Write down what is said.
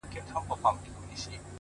• گیله من وو له اسمانه له عالمه,